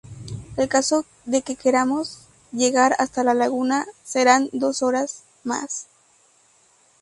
En caso de que queramos llegar hasta la laguna, serán dos horas más.